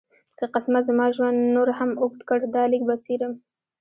که قسمت زما ژوند نور هم اوږد کړ دا لیک به څېرم.